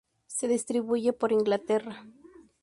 Se distribuye por Inglaterra.